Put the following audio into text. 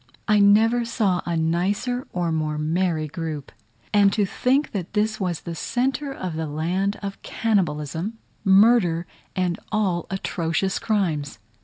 I never saw a nicer or more merry group; and to think that this was in the centre of the land of cannibalism, murder, and all atrocious crimes!